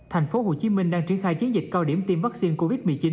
thành phố hồ chí minh đang triển khai chiến dịch cao điểm tiêm vaccine covid một mươi chín